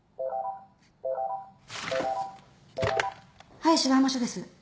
☎はい芝浜署です。